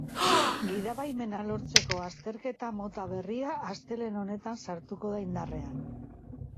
Gidabaimena lortzeko azterketa mota berria astelehen honetan sartuko da indarrean.